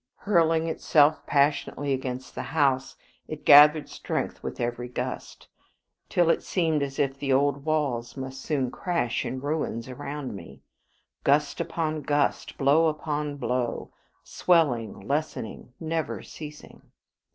Hurling itself passionately against the house, it gathered strength with every gust, till it seemed as if the old walls must soon crash in ruins round me. Gust upon gust; blow upon blow; swelling, lessening, never ceasing.